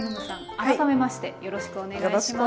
改めましてよろしくお願いします。